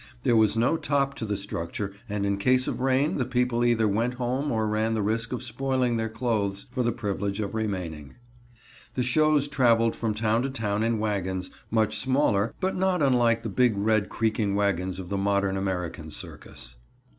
There was no top to the structure and in case of rain the people either went home or ran the risk of spoiling their clothes for the privilege of remaining. The shows traveled from town to town in wagons, much smaller but not unlike the big red creaking wagons of the modern American circus.